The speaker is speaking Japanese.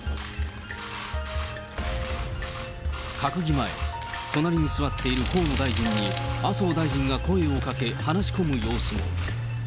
閣議前、隣に座っている河野大臣に麻生大臣が声をかけ話し込む様子も。